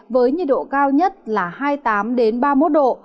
với nhiệt độ cao nhất là hai mươi tám ba mươi một độ